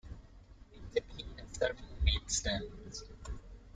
It typically has several main stems.